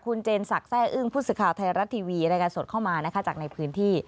คุณเจนศักดิ์แทร่อึ้งพูดสุข่าวไทยรัตน์ทีวีได้การส่วนเข้ามาจากในพื้นที่